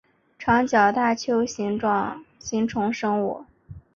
长角大锹形虫生物。